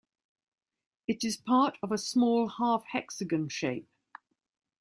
It is part of a small "half hexagon" shape.